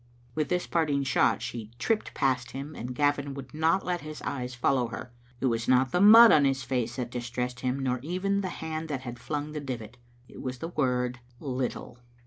With this parting shot she tripped past him, and Gavin would not let his eyes follow her. It was not the mud on his face that distressed him, nor even the hand that had flung the divit. It was the word " little.